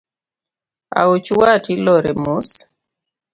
Aoch wat ilore mos